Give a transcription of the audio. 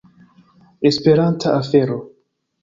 Esperanta afero